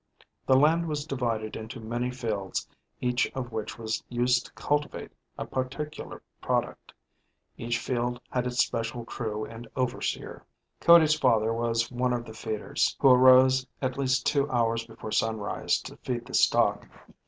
The land was divided into many fields each of which was used to cultivate a particular product. Each field had its special crew and overseer. Cody's father was [HW: one of the] feeders [HW: who] arose at least two hours before sunrise, to feed the stock.